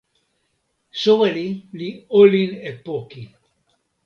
soweli li olin e poki.